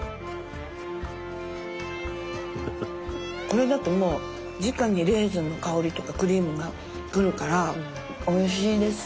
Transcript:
これだともうじかにレーズンの香りとかクリームがくるからおいしいです。